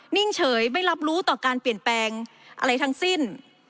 นิ่งเฉยไม่รับรู้ต่อการเปลี่ยนแปลงอะไรทั้งสิ้น